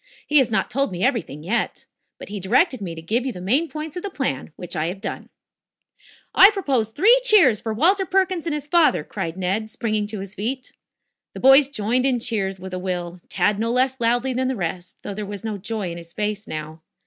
He has not told me everything yet. But he directed me to give you the main points of the plan, which I have done." "I propose three cheers for Walter Perkins and his father," cried Ned, springing to his feet. The boys joined in the cheers with a will, Tad no less loudly than the rest, though there was no joy in his face now.